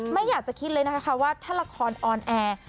ไม่อยากจะคิดเลยนะคะว่าถ้าละครออนแอร์